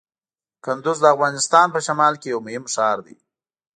کندز د افغانستان په شمال کې یو مهم ښار دی.